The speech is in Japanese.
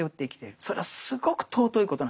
それはすごく尊いことなんだって。